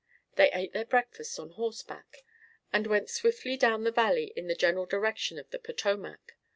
They ate their breakfast on horseback, and went swiftly down a valley in the general direction of the Potomac.